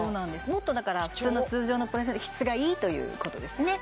もっとだから普通の通常のプラセンタより質がいいということですね